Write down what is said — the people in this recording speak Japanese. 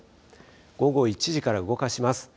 午後１時から動かします。